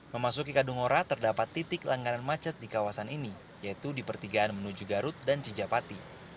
memasuki kadungora terdapat titik langganan macet di kawasan ini yaitu di pertigaan menuju garut dan cijapati